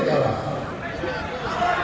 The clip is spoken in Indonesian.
kalau kita kalah